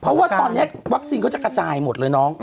เพราะว่าตอนนี้วัคซีนเขาจะกระจายหมดเลยน้อง